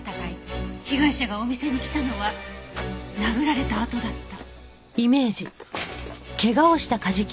被害者がお店に来たのは殴られたあとだった。